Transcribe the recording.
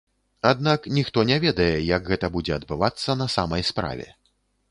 Аднак ніхто не ведае, як гэта будзе адбывацца на самай справе.